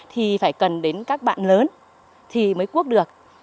thì phải cần đến các bạn lớn thì mới cuốc được